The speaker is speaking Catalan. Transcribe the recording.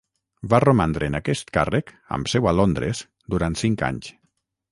Va romandre en aquest càrrec, amb seu a Londres, durant cinc anys.